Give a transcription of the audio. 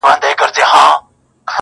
په موږک پسي جوړ کړی یې هی هی وو!!